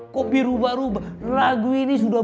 kok biru baru lagu ini sudah